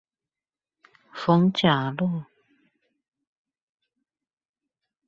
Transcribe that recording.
逢甲路